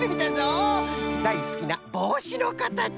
だいすきなぼうしのかたち。